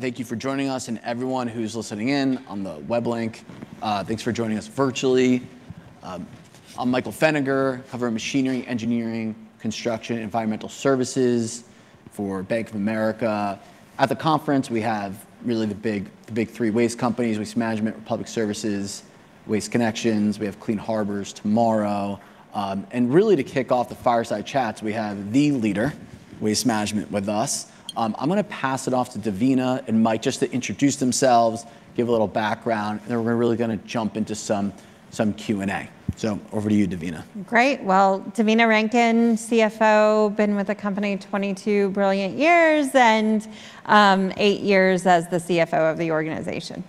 Thank you for joining us, and everyone who's listening in on the web link, thanks for joining us virtually. I'm Michael Feniger, covering machinery, engineering, construction, and environmental services for Bank of America. At the conference, we have really the big three waste companies: Waste Management, Republic Services, Waste Connections. We have Clean Harbors tomorrow, and really, to kick off the fireside chats, we have the leader, Waste Management, with us. I'm going to pass it off to Devina and Mike just to introduce themselves, give a little background, and then we're really going to jump into some Q&A. So over to you, Devina. Great. Well, Devina Rankin, CFO, been with the company 22 brilliant years and eight years as the CFO of the organization.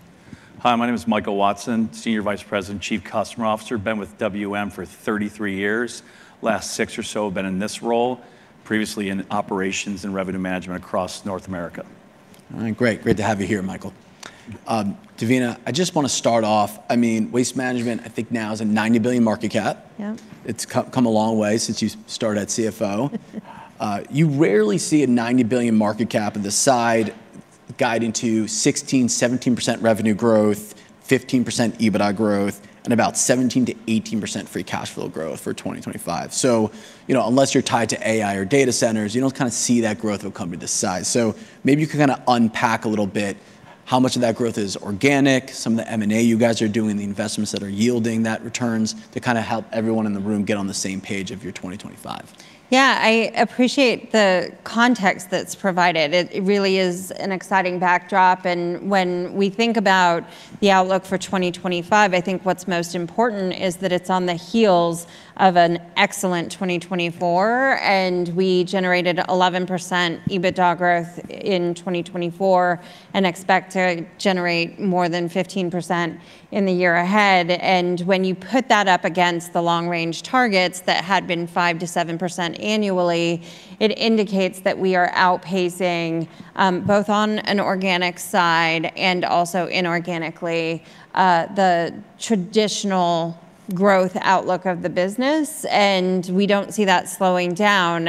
Hi, my name is Michael Watson, Senior Vice President, Chief Customer Officer, been with WM for 33 years. Last six or so have been in this role, previously in operations and revenue management across North America. All right. Great. Great to have you here, Michael. Devina, I just want to start off. I mean, Waste Management, I think now has a $90 billion market cap. It's come a long way since you started at CFO. You rarely see a $90 billion market cap on the side guiding to 16%, 17% revenue growth, 15% EBITDA growth, and about 17% to 18% free cash flow growth for 2025. So unless you're tied to AI or data centers, you don't kind of see that growth of a company this size. So maybe you can kind of unpack a little bit how much of that growth is organic, some of the M&A you guys are doing, the investments that are yielding that returns to kind of help everyone in the room get on the same page of your 2025. Yeah, I appreciate the context that's provided. It really is an exciting backdrop. And when we think about the outlook for 2025, I think what's most important is that it's on the heels of an excellent 2024. And we generated 11% EBITDA growth in 2024 and expect to generate more than 15% in the year ahead. And when you put that up against the long-range targets that had been 5%-7% annually, it indicates that we are outpacing both on an organic side and also inorganically the traditional growth outlook of the business. And we don't see that slowing down.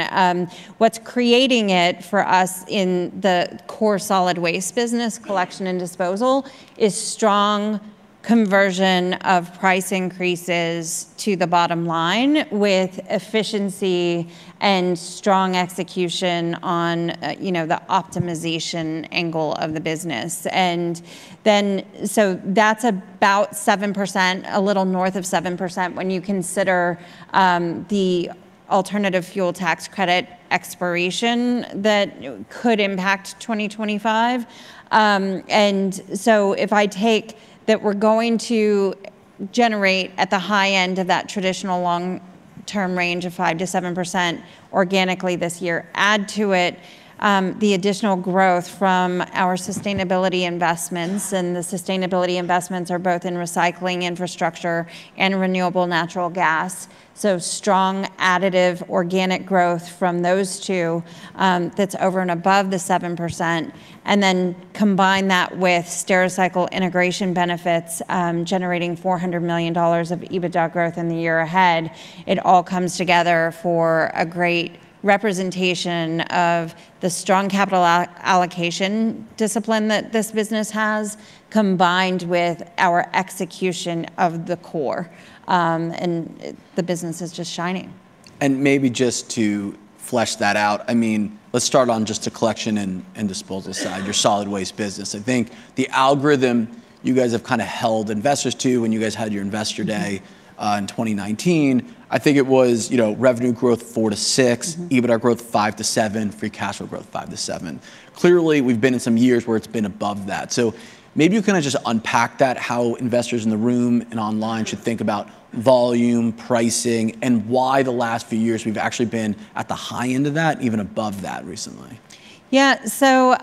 What's creating it for us in the core solid waste business collection and disposal is strong conversion of price increases to the bottom line with efficiency and strong execution on the optimization angle of the business. And so that's about 7%, a little north of 7% when you consider the alternative fuel tax credit expiration that could impact 2025. And so if I take that we're going to generate at the high end of that traditional long-term range of 5% to 7% organically this year, add to it the additional growth from our sustainability investments. And the sustainability investments are both in recycling infrastructure and renewable natural gas. So strong additive organic growth from those two that's over and above the 7%. And then combine that with Stericycle integration benefits generating $400 million of EBITDA growth in the year ahead. It all comes together for a great representation of the strong capital allocation discipline that this business has combined with our execution of the core. And the business is just shining. Maybe just to flesh that out, I mean, let's start on just the collection and disposal side, your solid waste business. I think the algorithm you guys have kind of held investors to when you guys had your investor day in 2019, I think it was revenue growth 4%-6%, EBITDA growth 5%-7%, free cash flow growth 5%-7%. Clearly, we've been in some years where it's been above that. Maybe you kind of just unpack that, how investors in the room and online should think about volume, pricing, and why the last few years we've actually been at the high end of that, even above that recently. Yeah. So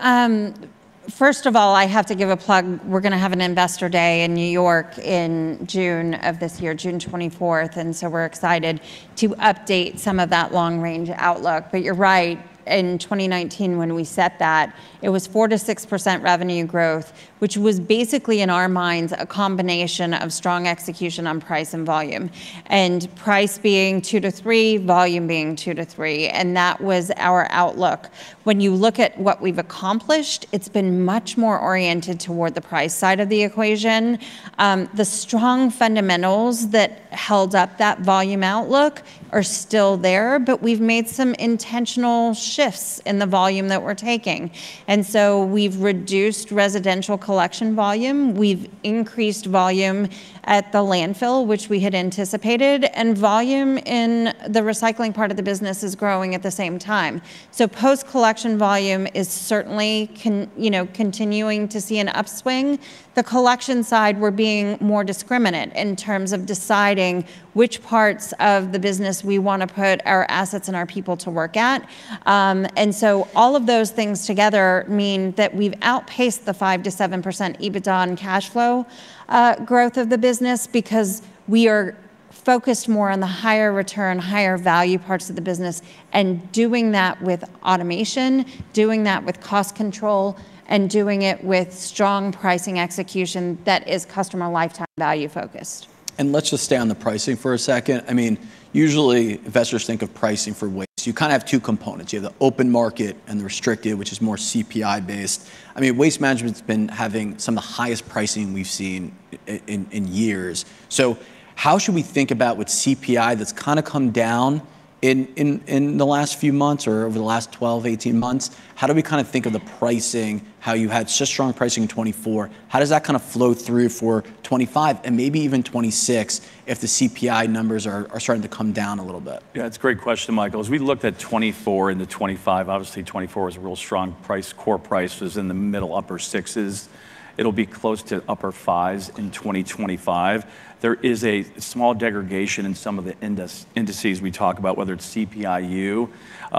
first of all, I have to give a plug. We're going to have an investor day in New York in June of this year, June 24th. And so we're excited to update some of that long-range outlook. But you're right, in 2019, when we set that, it was 4%-6% revenue growth, which was basically, in our minds, a combination of strong execution on price and volume, and price being 2%-3%, volume being 2%-3%. And that was our outlook. When you look at what we've accomplished, it's been much more oriented toward the price side of the equation. The strong fundamentals that held up that volume outlook are still there, but we've made some intentional shifts in the volume that we're taking. And so we've reduced residential collection volume. We've increased volume at the landfill, which we had anticipated. And volume in the recycling part of the business is growing at the same time. So post-collection volume is certainly continuing to see an upswing. The collection side, we're being more discriminating in terms of deciding which parts of the business we want to put our assets and our people to work at. And so all of those things together mean that we've outpaced the 5%-7% EBITDA and cash flow growth of the business because we are focused more on the higher return, higher value parts of the business and doing that with automation, doing that with cost control, and doing it with strong pricing execution that is customer lifetime value focused. Let's just stay on the pricing for a second. I mean, usually investors think of pricing for waste. You kind of have two components. You have the open market and the restricted, which is more CPI-based. I mean, Waste Management's been having some of the highest pricing we've seen in years. So how should we think about with CPI that's kind of come down in the last few months or over the last 12, 18 months? How do we kind of think of the pricing, how you had such strong pricing in 2024? How does that kind of flow through for 2025 and maybe even 2026 if the CPI numbers are starting to come down a little bit? Yeah, that's a great question, Michael. As we looked at 2024 and 2025, obviously 2024 was a real strong core price. It was in the middle upper sixes. It'll be close to upper fives in 2025. There is a small degradation in some of the indices we talk about, whether it's CPI-U,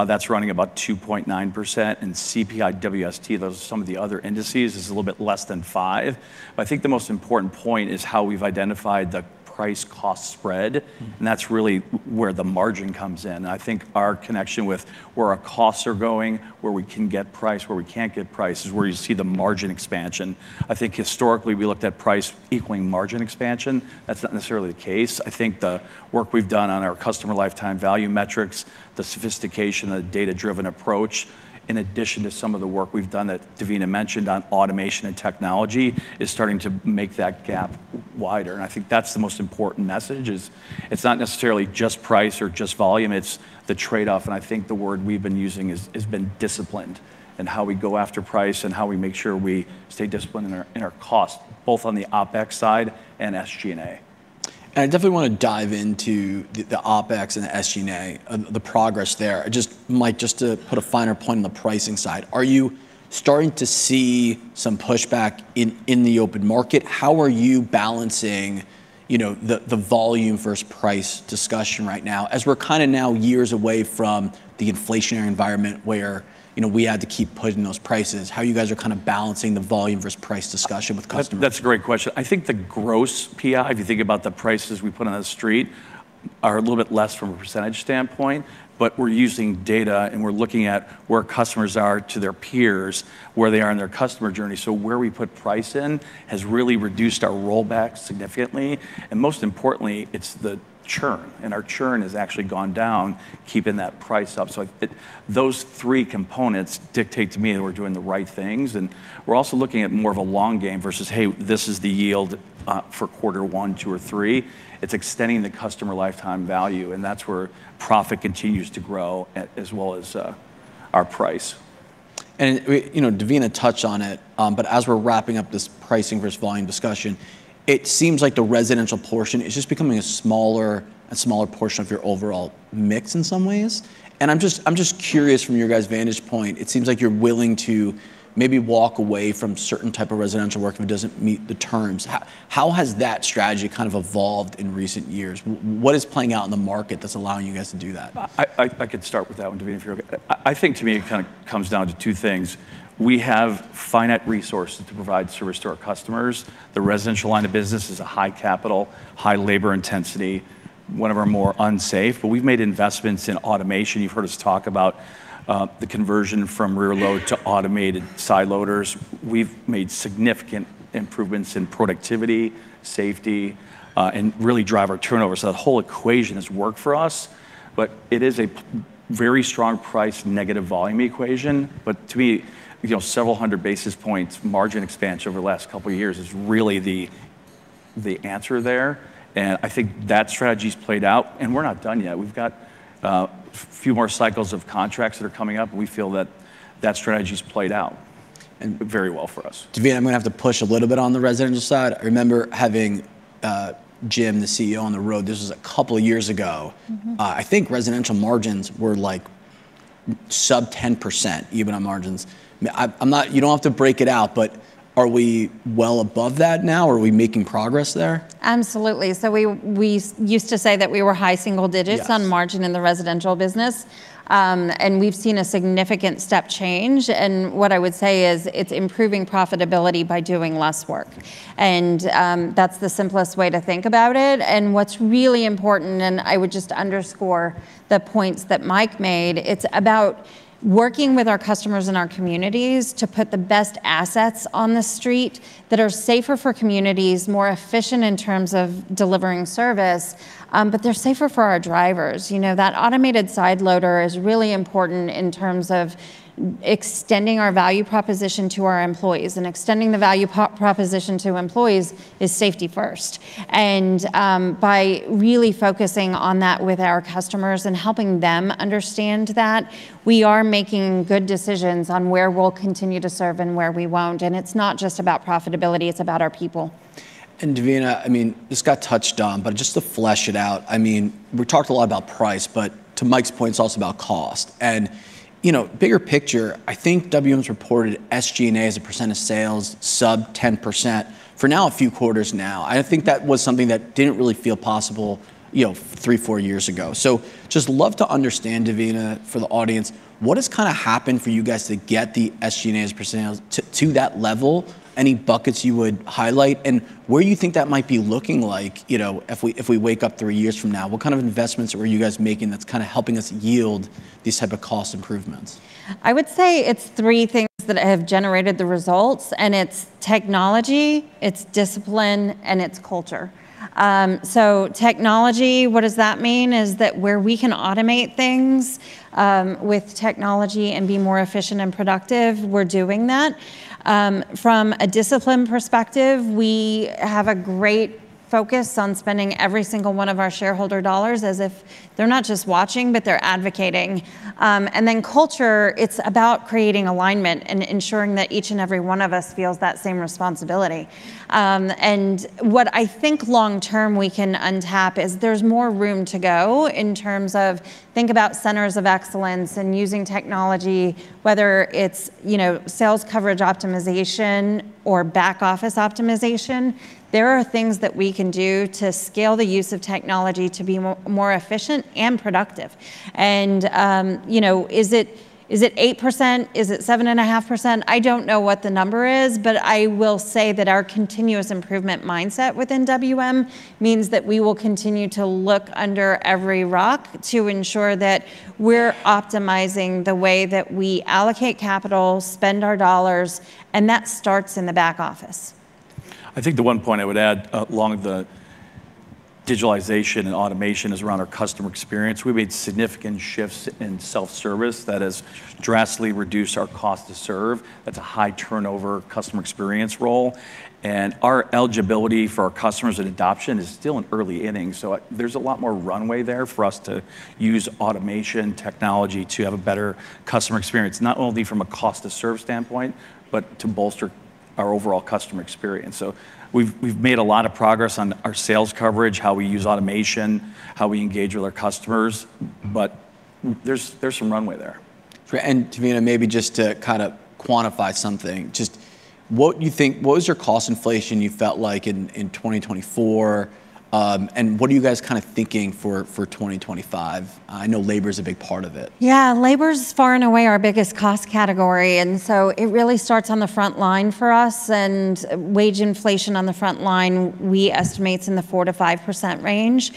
that's running about 2.9%, and CPI-WST, those are some of the other indices, is a little bit less than 5%. But I think the most important point is how we've identified the price-cost spread. And that's really where the margin comes in. I think our connection with where our costs are going, where we can get price, where we can't get price is where you see the margin expansion. I think historically we looked at price equaling margin expansion. That's not necessarily the case. I think the work we've done on our customer lifetime value metrics, the sophistication of the data-driven approach, in addition to some of the work we've done that Devina mentioned on automation and technology is starting to make that gap wider, and I think that's the most important message is it's not necessarily just price or just volume. It's the trade-off, and I think the word we've been using has been disciplined and how we go after price and how we make sure we stay disciplined in our cost, both on the OPEX side and SG&A. I definitely want to dive into the OPEX and the SG&A, the progress there. Just Mike, just to put a finer point on the pricing side, are you starting to see some pushback in the open market? How are you balancing the volume versus price discussion right now as we're kind of now years away from the inflationary environment where we had to keep pushing those prices? How are you guys kind of balancing the volume versus price discussion with customers? That's a great question. I think the gross PI, if you think about the prices we put on the street, are a little bit less from a percentage standpoint. But we're using data and we're looking at where customers are to their peers, where they are in their customer journey. So where we put price in has really reduced our rollback significantly. And most importantly, it's the churn. And our churn has actually gone down, keeping that price up. So those three components dictate to me that we're doing the right things. And we're also looking at more of a long game versus, hey, this is the yield for quarter one, two, or three. It's extending the customer lifetime value. And that's where profit continues to grow as well as our price. And Devina touched on it, but as we're wrapping up this pricing versus volume discussion, it seems like the residential portion is just becoming a smaller and smaller portion of your overall mix in some ways. And I'm just curious from your guys' vantage point. It seems like you're willing to maybe walk away from certain types of residential work if it doesn't meet the terms. How has that strategy kind of evolved in recent years? What is playing out in the market that's allowing you guys to do that? I could start with that one, Devina. I think to me, it kind of comes down to two things. We have finite resources to provide service to our customers. The residential line of business is a high capital, high labor intensity, one of our more unsafe. But we've made investments in automation. You've heard us talk about the conversion from rear load to automated side loaders. We've made significant improvements in productivity, safety, and really drive our turnover. So the whole equation has worked for us. But it is a very strong price negative volume equation. But to me, several hundred basis points margin expansion over the last couple of years is really the answer there. And I think that strategy's played out. And we're not done yet. We've got a few more cycles of contracts that are coming up. We feel that that strategy's played out very well for us. Devina, I'm going to have to push a little bit on the residential side. I remember having Jim, the CEO, on the road. This was a couple of years ago. I think residential margins were like sub 10% EBITDA margins. You don't have to break it out, but are we well above that now? Are we making progress there? Absolutely. So we used to say that we were high single digits on margin in the residential business. And we've seen a significant step change. And what I would say is it's improving profitability by doing less work. And that's the simplest way to think about it. And what's really important, and I would just underscore the points that Mike made, it's about working with our customers and our communities to put the best assets on the street that are safer for communities, more efficient in terms of delivering service, but they're safer for our drivers. That automated side loader is really important in terms of extending our value proposition to our employees. And extending the value proposition to employees is safety first. And by really focusing on that with our customers and helping them understand that, we are making good decisions on where we'll continue to serve and where we won't. And it's not just about profitability. It's about our people. Devina, I mean, this got touched on, but just to flesh it out. I mean, we talked a lot about price, but to Mike's point, it's also about cost. Bigger picture, I think WM's reported SG&A as a % of sales sub 10% for now, a few quarters now. I think that was something that didn't really feel possible three, four years ago. I'd just love to understand, Devina, for the audience, what has kind of happened for you guys to get the SG&A as a percentage to that level. Any buckets you would highlight? Where do you think that might be looking like if we wake up three years from now? What kind of investments are you guys making that's kind of helping us yield these types of cost improvements? I would say it's three things that have generated the results. And it's technology, it's discipline, and it's culture. So technology, what does that mean? Is that where we can automate things with technology and be more efficient and productive, we're doing that. From a discipline perspective, we have a great focus on spending every single one of our shareholder dollars as if they're not just watching, but they're advocating. And then culture, it's about creating alignment and ensuring that each and every one of us feels that same responsibility. And what I think long-term we can untap is there's more room to go in terms of think about centers of excellence and using technology, whether it's sales coverage optimization or back office optimization. There are things that we can do to scale the use of technology to be more efficient and productive. And is it 8%? Is it 7.5%? I don't know what the number is, but I will say that our continuous improvement mindset within WM means that we will continue to look under every rock to ensure that we're optimizing the way that we allocate capital, spend our dollars, and that starts in the back office. I think the one point I would add along the digitalization and automation is around our customer experience. We've made significant shifts in self-service that has drastically reduced our cost to serve. That's a high turnover customer experience role, and our eligibility for our customers and adoption is still in early innings, so there's a lot more runway there for us to use automation technology to have a better customer experience, not only from a cost to serve standpoint, but to bolster our overall customer experience, so we've made a lot of progress on our sales coverage, how we use automation, how we engage with our customers, but there's some runway there. Devina, maybe just to kind of quantify something, just what do you think? What was your cost inflation you felt like in 2024? And what are you guys kind of thinking for 2025? I know labor is a big part of it. Yeah, labor is far and away our biggest cost category. And so it really starts on the front line for us. And wage inflation on the front line, we estimate it's in the 4%-5% range.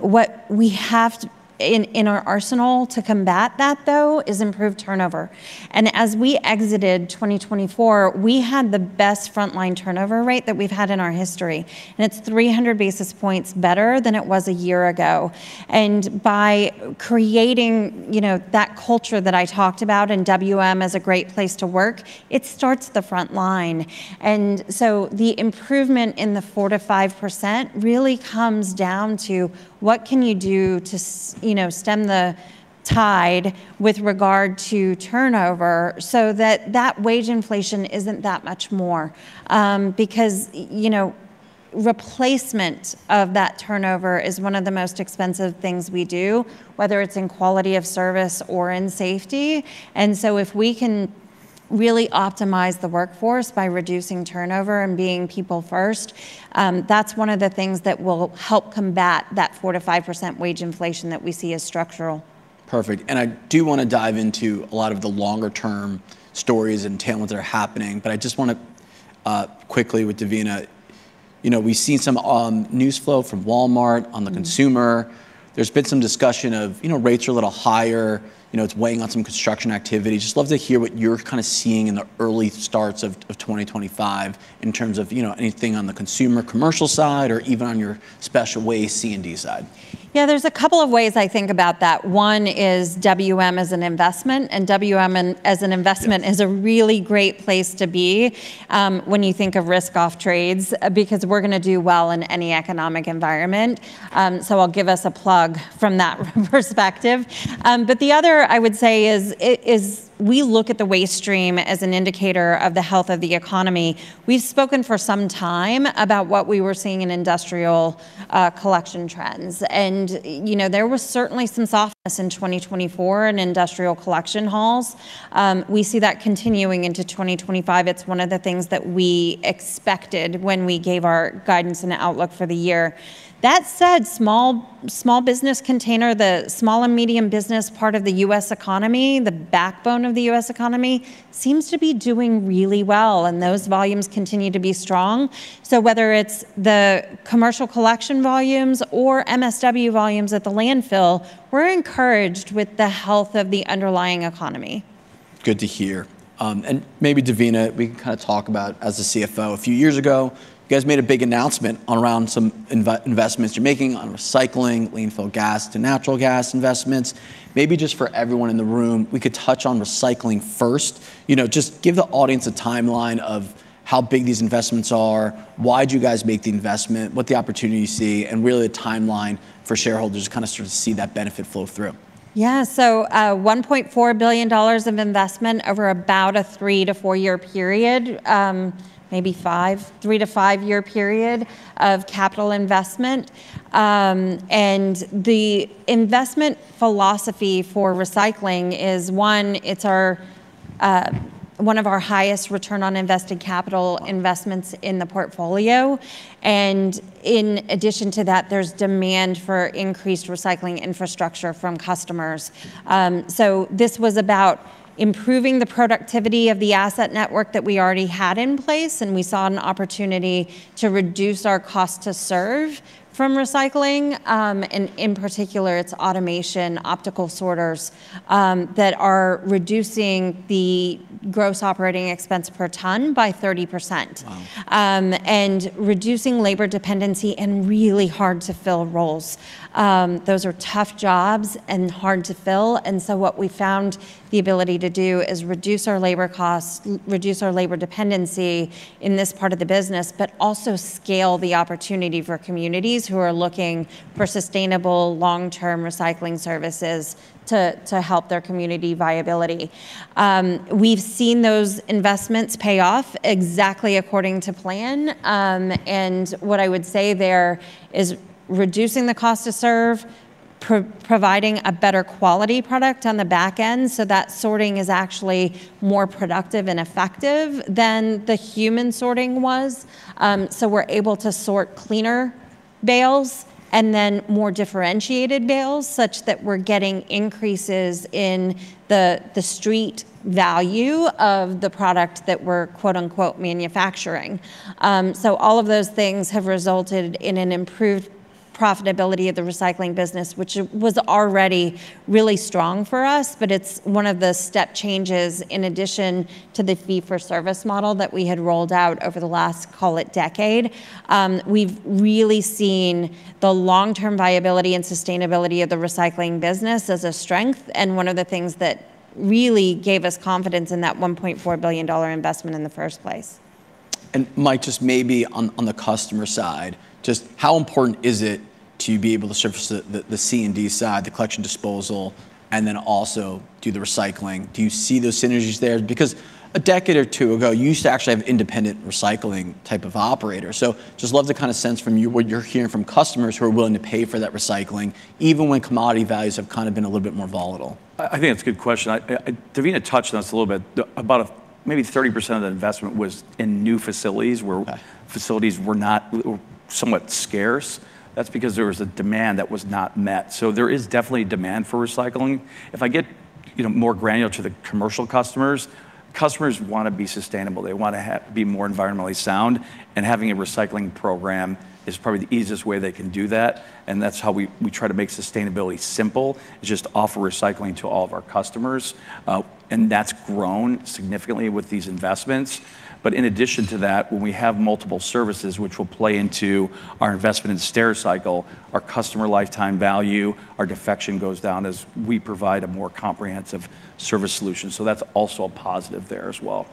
What we have in our arsenal to combat that, though, is improved turnover. And as we exited 2024, we had the best frontline turnover rate that we've had in our history. And it's 300 basis points better than it was a year ago. And by creating that culture that I talked about and WM as a great place to work, it starts on the front line. And so the improvement in the 4%-5% really comes down to what can you do to stem the tide with regard to turnover so that that wage inflation isn't that much more? Because replacement of that turnover is one of the most expensive things we do, whether it's in quality of service or in safety, and so if we can really optimize the workforce by reducing turnover and being people first, that's one of the things that will help combat that 4%-5% wage inflation that we see as structural. Perfect, and I do want to dive into a lot of the longer-term stories and tailwinds that are happening. But I just want to quickly, with Devina, we've seen some news flow from Walmart on the consumer. There's been some discussion of rates are a little higher. It's weighing on some construction activity. Just love to hear what you're kind of seeing in the early parts of 2025 in terms of anything on the consumer commercial side or even on your specialty C&D side. Yeah, there's a couple of ways I think about that. One is WM as an investment. And WM as an investment is a really great place to be when you think of risk-off trades because we're going to do well in any economic environment. So I'll give us a plug from that perspective. But the other, I would say, is we look at the waste stream as an indicator of the health of the economy. We've spoken for some time about what we were seeing in industrial collection trends. And there was certainly some softness in 2024 in industrial collection hauls. We see that continuing into 2025. It's one of the things that we expected when we gave our guidance and outlook for the year. That said, small business container, the small and medium business part of the U.S. economy, the backbone of the U.S. economy, seems to be doing really well. And those volumes continue to be strong. So whether it's the commercial collection volumes or MSW volumes at the landfill, we're encouraged with the health of the underlying economy. Good to hear, and maybe Devina, we can kind of talk about as a CFO, a few years ago, you guys made a big announcement around some investments you're making on recycling, landfill gas to natural gas investments. Maybe just for everyone in the room, we could touch on recycling first. Just give the audience a timeline of how big these investments are, why did you guys make the investment, what the opportunity you see, and really a timeline for shareholders to kind of sort of see that benefit flow through. Yeah, so $1.4 billion of investment over about a three- to four-year period, maybe five, three- to five-year period of capital investment. And the investment philosophy for recycling is one. It's one of our highest return on invested capital investments in the portfolio. And in addition to that, there's demand for increased recycling infrastructure from customers. So this was about improving the productivity of the asset network that we already had in place. And we saw an opportunity to reduce our cost to serve from recycling. And in particular, it's automation, optical sorters that are reducing the gross operating expense per ton by 30%. Wow. And reducing labor dependency and really hard-to-fill roles. Those are tough jobs and hard to fill. And so what we found the ability to do is reduce our labor costs, reduce our labor dependency in this part of the business, but also scale the opportunity for communities who are looking for sustainable long-term recycling services to help their community viability. We've seen those investments pay off exactly according to plan. And what I would say there is reducing the cost to serve, providing a better quality product on the back end. So that sorting is actually more productive and effective than the human sorting was. So we're able to sort cleaner bales and then more differentiated bales such that we're getting increases in the street value of the product that we're "manufacturing." So all of those things have resulted in an improved profitability of the recycling business, which was already really strong for us. But it's one of the step changes in addition to the fee-for-service model that we had rolled out over the last, call it, decade. We've really seen the long-term viability and sustainability of the recycling business as a strength and one of the things that really gave us confidence in that $1.4 billion investment in the first place. And Mike, just maybe on the customer side, just how important is it to be able to service the C&D side, the collection and disposal, and then also do the recycling? Do you see those synergies there? Because a decade or two ago, you used to actually have independent recycling type of operators. So just love to kind of sense from you what you're hearing from customers who are willing to pay for that recycling, even when commodity values have kind of been a little bit more volatile. I think that's a good question. Devina touched on this a little bit. About maybe 30% of the investment was in new facilities where facilities were somewhat scarce. That's because there was a demand that was not met. So there is definitely demand for recycling. If I get more granular to the commercial customers, customers want to be sustainable. They want to be more environmentally sound. And having a recycling program is probably the easiest way they can do that. And that's how we try to make sustainability simple. It's just offer recycling to all of our customers. And that's grown significantly with these investments. But in addition to that, when we have multiple services, which will play into our investment in Stericycle, our customer lifetime value, our defection goes down as we provide a more comprehensive service solution. So that's also a positive there as well.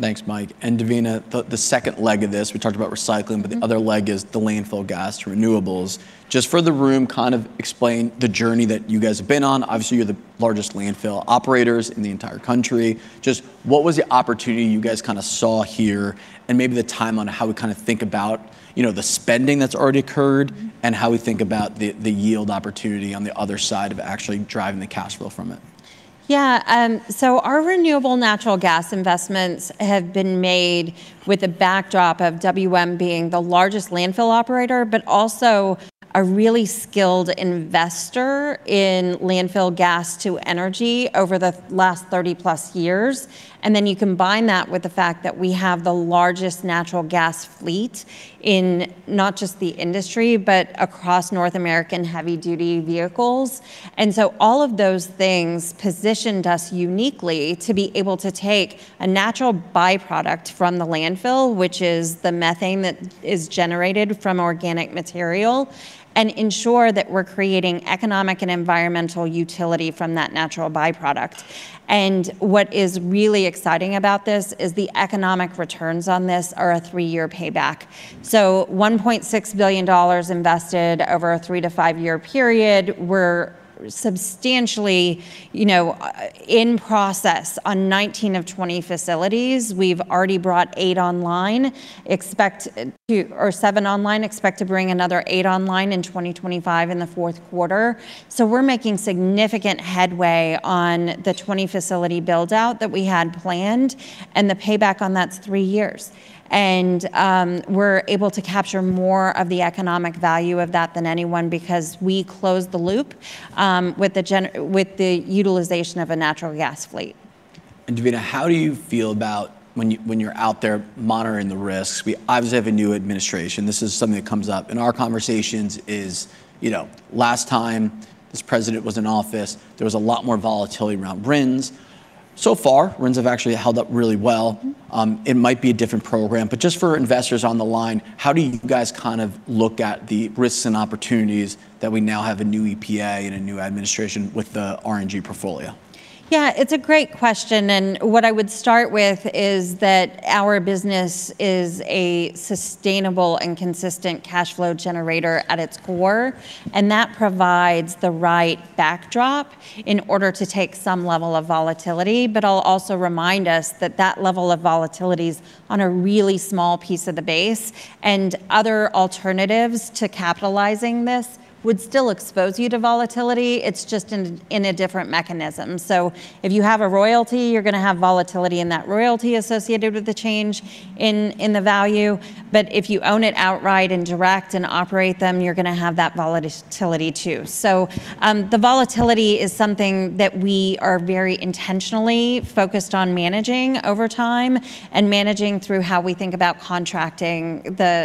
Thanks, Mike. And Devina, the second leg of this, we talked about recycling, but the other leg is the landfill gas to renewables. Just for the room, kind of explain the journey that you guys have been on. Obviously, you're the largest landfill operators in the entire country. Just what was the opportunity you guys kind of saw here and maybe the time on how we kind of think about the spending that's already occurred and how we think about the yield opportunity on the other side of actually driving the cash flow from it? Yeah. So our renewable natural gas investments have been made with a backdrop of WM being the largest landfill operator, but also a really skilled investor in landfill gas to energy over the last 30-plus years. And then you combine that with the fact that we have the largest natural gas fleet in not just the industry, but across North American heavy-duty vehicles. And so all of those things positioned us uniquely to be able to take a natural byproduct from the landfill, which is the methane that is generated from organic material, and ensure that we're creating economic and environmental utility from that natural byproduct. And what is really exciting about this is the economic returns on this are a three-year payback. So $1.6 billion invested over a three to five-year period. We're substantially in process on 19 of 20 facilities. We've already brought eight online, or seven online, expect to bring another eight online in 2025 in the fourth quarter. So we're making significant headway on the 20 facility buildout that we had planned and the payback on that's three years. And we're able to capture more of the economic value of that than anyone because we closed the loop with the utilization of a natural gas fleet. And Devina, how do you feel about when you're out there monitoring the risks? We obviously have a new administration. This is something that comes up in our conversations: last time this president was in office, there was a lot more volatility around RINs. So far, RINs have actually held up really well. It might be a different program. But just for investors on the line, how do you guys kind of look at the risks and opportunities that we now have a new EPA and a new administration with the RNG portfolio? Yeah, it's a great question, and what I would start with is that our business is a sustainable and consistent cash flow generator at its core, and that provides the right backdrop in order to take some level of volatility. But I'll also remind us that that level of volatility is on a really small piece of the base, and other alternatives to capitalizing this would still expose you to volatility. It's just in a different mechanism, so if you have a royalty, you're going to have volatility in that royalty associated with the change in the value, but if you own it outright and direct and operate them, you're going to have that volatility too, so the volatility is something that we are very intentionally focused on managing over time and managing through how we think about contracting the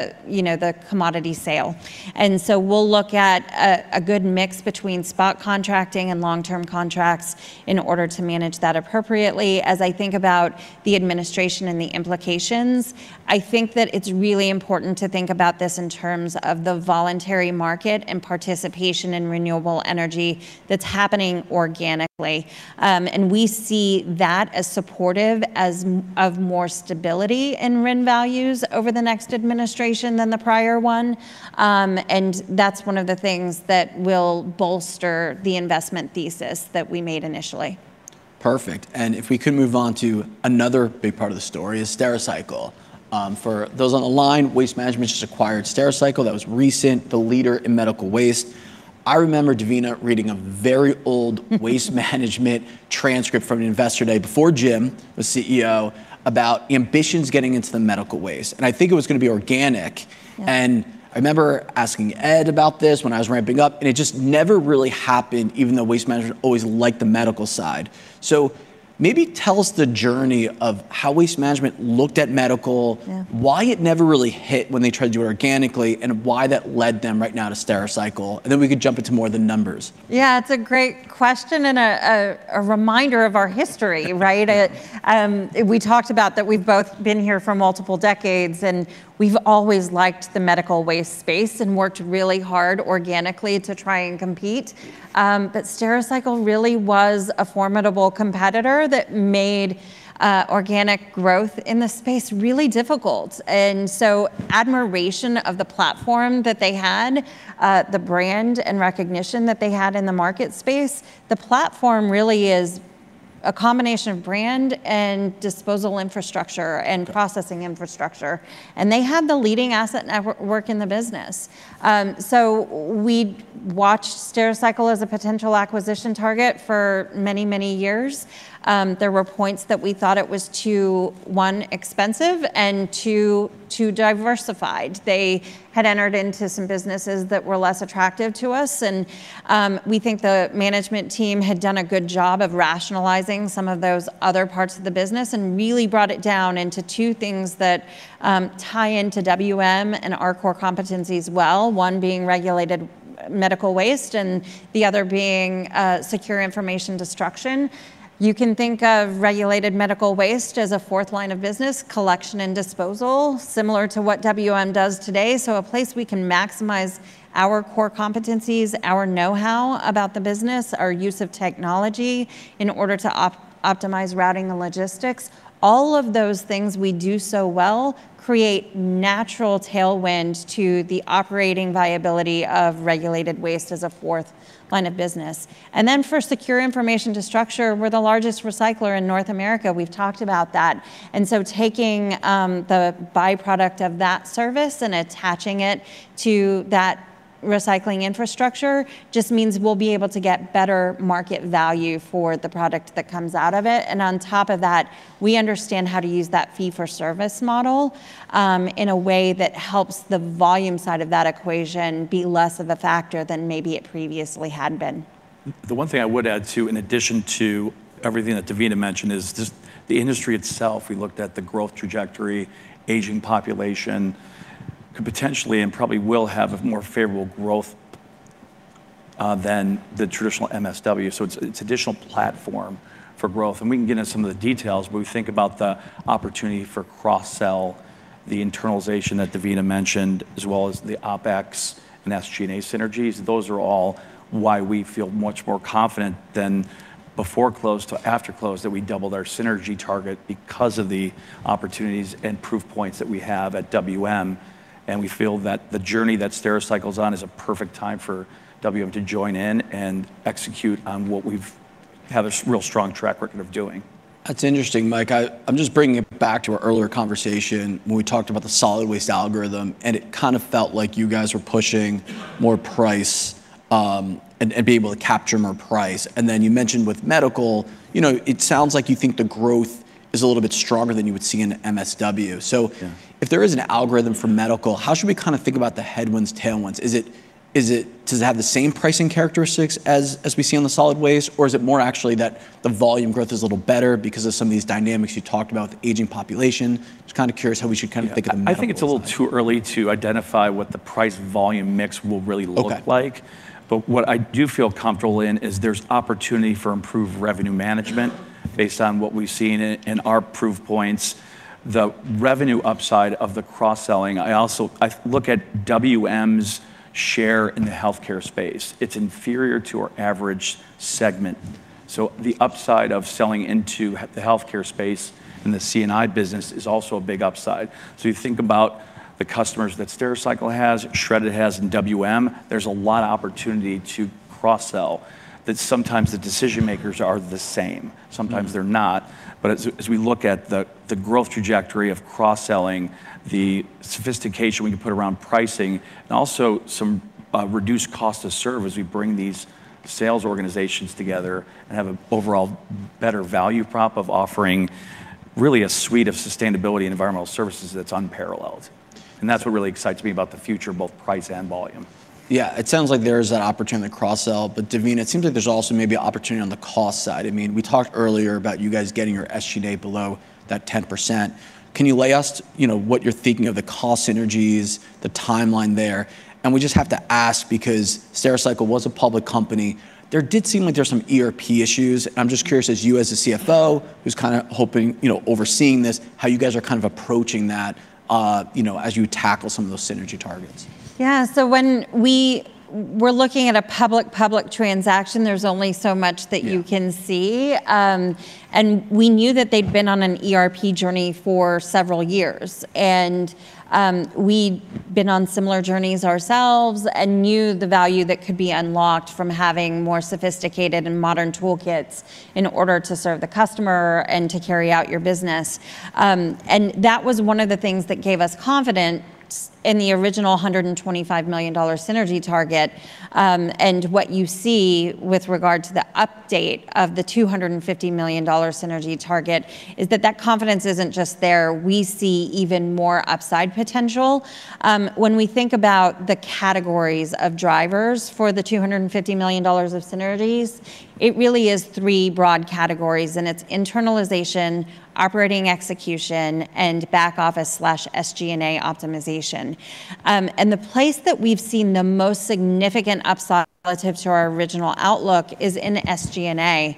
commodity sale. And so we'll look at a good mix between spot contracting and long-term contracts in order to manage that appropriately. As I think about the administration and the implications, I think that it's really important to think about this in terms of the voluntary market and participation in renewable energy that's happening organically. And we see that as supportive of more stability in RIN values over the next administration than the prior one. And that's one of the things that will bolster the investment thesis that we made initially. Perfect. And if we could move on to another big part of the story is Stericycle. For those on the line, Waste Management just acquired Stericycle. That was recent, the leader in medical waste. I remember Devina reading a very old Waste Management transcript from an investor day before Jim was CEO about ambitions getting into the medical waste. And I think it was going to be organic. And I remember asking Ed about this when I was ramping up. And it just never really happened, even though Waste Management always liked the medical side. So maybe tell us the journey of how Waste Management looked at medical, why it never really hit when they tried to do it organically, and why that led them right now to Stericycle. And then we could jump into more of the numbers. Yeah, it's a great question and a reminder of our history, right? We talked about that we've both been here for multiple decades. And we've always liked the medical waste space and worked really hard organically to try and compete. But Stericycle really was a formidable competitor that made organic growth in the space really difficult. And so admiration of the platform that they had, the brand and recognition that they had in the market space, the platform really is a combination of brand and disposal infrastructure and processing infrastructure. And they had the leading asset network in the business. So we watched Stericycle as a potential acquisition target for many, many years. There were points that we thought it was too, one, expensive and two, too diversified. They had entered into some businesses that were less attractive to us. And we think the management team had done a good job of rationalizing some of those other parts of the business and really brought it down into two things that tie into WM and our core competencies well, one being regulated medical waste and the other being secure information destruction. You can think of regulated medical waste as a fourth line of business, collection and disposal, similar to what WM does today. So a place we can maximize our core competencies, our know-how about the business, our use of technology in order to optimize routing and logistics. All of those things we do so well create natural tailwind to the operating viability of regulated waste as a fourth line of business. And then for secure information destruction, we're the largest recycler in North America. We've talked about that. And so taking the byproduct of that service and attaching it to that recycling infrastructure just means we'll be able to get better market value for the product that comes out of it. And on top of that, we understand how to use that fee-for-service model in a way that helps the volume side of that equation be less of a factor than maybe it previously had been. The one thing I would add too, in addition to everything that Devina mentioned, is just the industry itself. We looked at the growth trajectory. Aging population could potentially and probably will have a more favorable growth than the traditional MSW. So it's an additional platform for growth. We can get into some of the details, but we think about the opportunity for cross-sell, the internalization that Devina mentioned, as well as the OPEX and SG&A synergies. Those are all why we feel much more confident than before close to after close that we doubled our synergy target because of the opportunities and proof points that we have at WM. We feel that the journey that Stericycle's on is a perfect time for WM to join in and execute on what we have a real strong track record of doing. That's interesting, Mike. I'm just bringing it back to our earlier conversation when we talked about the solid waste algorithm. And it kind of felt like you guys were pushing more price and being able to capture more price. And then you mentioned with medical, it sounds like you think the growth is a little bit stronger than you would see in MSW. So if there is an algorithm for medical, how should we kind of think about the headwinds, tailwinds? Does it have the same pricing characteristics as we see on the solid waste? Or is it more actually that the volume growth is a little better because of some of these dynamics you talked about with the aging population? Just kind of curious how we should kind of think of the medical. I think it's a little too early to identify what the price-volume mix will really look like, but what I do feel comfortable in is there's opportunity for improved revenue management based on what we've seen in our proof points. The revenue upside of the cross-selling, I also look at WM's share in the healthcare space. It's inferior to our average segment, so the upside of selling into the healthcare space and the C&I business is also a big upside, so you think about the customers that Stericycle has, Shred-it has in WM, there's a lot of opportunity to cross-sell that sometimes the decision makers are the same. Sometimes they're not. But as we look at the growth trajectory of cross-selling, the sophistication we can put around pricing, and also some reduced cost of service as we bring these sales organizations together and have an overall better value prop of offering really a suite of sustainability and environmental services that's unparalleled. And that's what really excites me about the future, both price and volume. Yeah, it sounds like there is that opportunity in the cross-sell. But Devina, it seems like there's also maybe an opportunity on the cost side. I mean, we talked earlier about you guys getting your SG&A below that 10%. Can you lay out what you're thinking of the cost synergies, the timeline there? And we just have to ask because Stericycle was a public company. There did seem like there were some ERP issues. And I'm just curious as you as the CFO, who's kind of overseeing this, how you guys are kind of approaching that as you tackle some of those synergy targets. Yeah. So when we were looking at a public-public transaction, there's only so much that you can see. And we knew that they'd been on an ERP journey for several years. And we'd been on similar journeys ourselves and knew the value that could be unlocked from having more sophisticated and modern toolkits in order to serve the customer and to carry out your business. And that was one of the things that gave us confidence in the original $125 million synergy target. And what you see with regard to the update of the $250 million synergy target is that that confidence isn't just there. We see even more upside potential. When we think about the categories of drivers for the $250 million of synergies, it really is three broad categories. And it's internalization, operating execution, and back office/SG&A optimization. And the place that we've seen the most significant upside relative to our original outlook is in SG&A.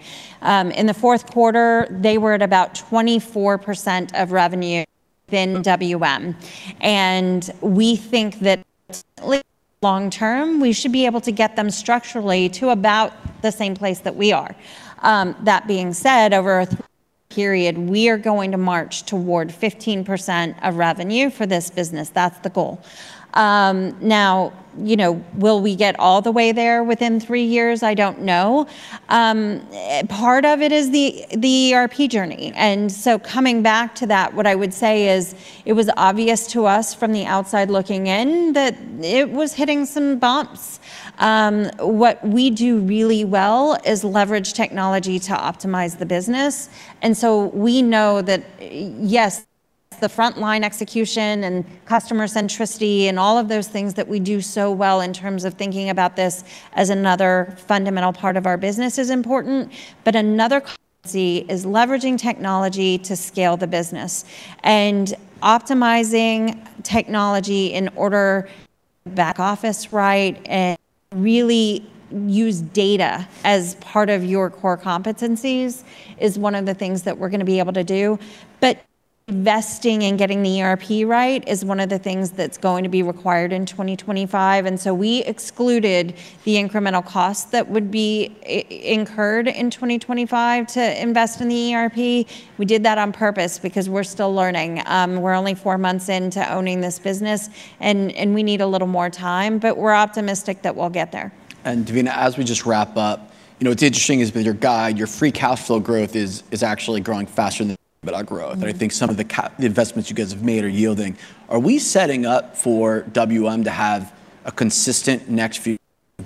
In the fourth quarter, they were at about 24% of revenue within WM. And we think that long term, we should be able to get them structurally to about the same place that we are. That being said, over a three-year period, we are going to march toward 15% of revenue for this business. That's the goal. Now, will we get all the way there within three years? I don't know. Part of it is the ERP journey. And so coming back to that, what I would say is it was obvious to us from the outside looking in that it was hitting some bumps. What we do really well is leverage technology to optimize the business. And so we know that, yes, the frontline execution and customer centricity and all of those things that we do so well in terms of thinking about this as another fundamental part of our business is important. But another competency is leveraging technology to scale the business. And optimizing technology in order to do the back office right and really use data as part of your core competencies is one of the things that we're going to be able to do. But investing and getting the ERP right is one of the things that's going to be required in 2025. And so we excluded the incremental costs that would be incurred in 2025 to invest in the ERP. We did that on purpose because we're still learning. We're only four months into owning this business, and we need a little more time. But we're optimistic that we'll get there. Devina, as we just wrap up, it's interesting that your guide, your free cash flow growth is actually growing faster than our growth. I think some of the investments you guys have made are yielding. Are we setting up for WM to have a consistent next few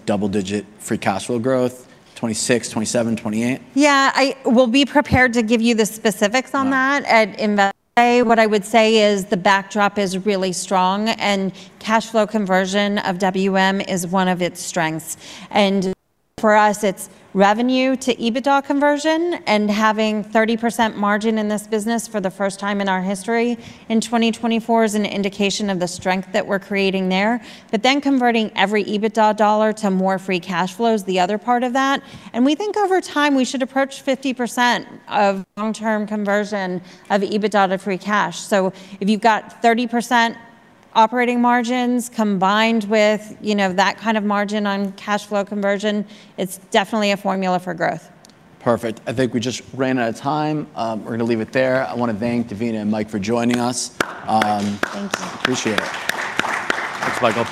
double-digit free cash flow growth, 2026, 2027, 2028? Yeah. We'll be prepared to give you the specifics on that. At Investor Day, what I would say is the backdrop is really strong, and cash flow conversion of WM is one of its strengths. And for us, it's revenue to EBITDA conversion, and having 30% margin in this business for the first time in our history in 2024 is an indication of the strength that we're creating there, but then converting every EBITDA dollar to more free cash flow is the other part of that. And we think over time we should approach 50% of long-term conversion of EBITDA to free cash, so if you've got 30% operating margins combined with that kind of margin on cash flow conversion, it's definitely a formula for growth. Perfect. I think we just ran out of time. We're going to leave it there. I want to thank Devina and Mike for joining us. Thank you. Appreciate it. Thanks, Michael.